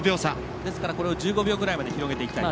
ですからこれを１５秒ぐらいまで広げていきたい。